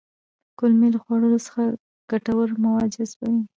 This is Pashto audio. کولمې له خوړو څخه ګټور مواد جذبوي